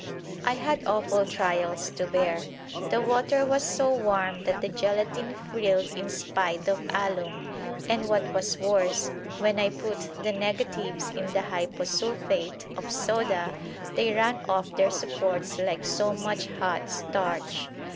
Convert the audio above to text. I had awful trials to bear. The water was so warm that the gelatine frilled in spite of alum, and what was worse, when I put the negatives in the hyposulphate of soda they ran off their supports like so much hot starch.